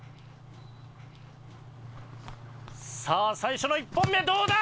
さあ最初の１本目どうだ？